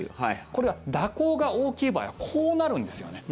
これが蛇行が大きい場合はこうなるんですよね。